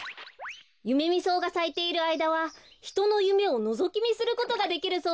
ユメミソウがさいているあいだはひとのゆめをのぞきみすることができるそうですよ。